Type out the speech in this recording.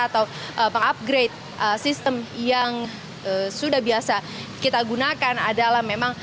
atau mengupgrade sistem yang sudah biasa kita gunakan adalah memang